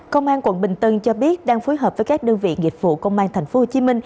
công an quận bình tân cho biết đang phối hợp với các đơn vị nghiệp vụ công an tp hcm